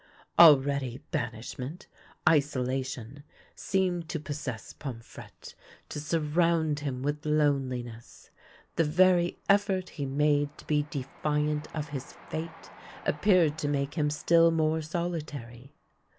Already banishment, isolation, seemed to possess Pomfrette, to surround him with loneliness. The very effort he made to be defiant of his fate appeared to make him still more solitary.